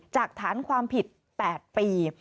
จากฐานความผิด๘ปี